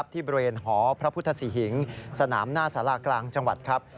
ที่บริเวณหอพระพุทธศรีหิงสนามหน้าสารากลางจังหวัดครับ